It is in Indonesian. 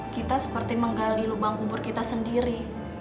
kita seperti menggali lubang kubur kita sendiri